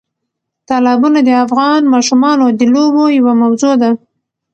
تالابونه د افغان ماشومانو د لوبو یوه موضوع ده.